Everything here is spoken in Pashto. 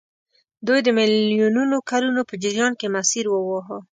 دوی د میلیونونو کلونو په جریان کې مسیر وواهه.